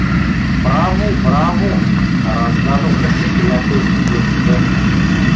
— Браво! Браво! — раздадоха се приятелски гласове.